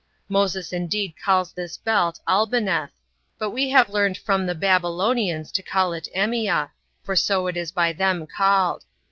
Moses indeed calls this belt Albaneth; but we have learned from the Babylonians to call it Emia, for so it is by them called.